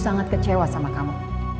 sangat kecewa sama kamu